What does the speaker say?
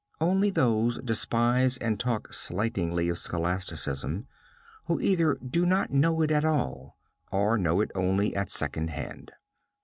Only those despise and talk slightingly of scholasticism who either do not know it at all or know it only at second hand.